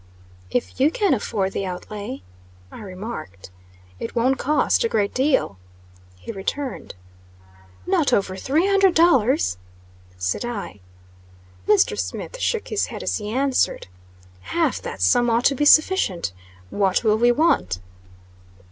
"If you can afford the outlay," I remarked. "It won't cost a great deal," he returned. "Not over three hundred dollars," said I. Mr. Smith shook his head as he answered: "Half that sum ought to be sufficient. What will we want?"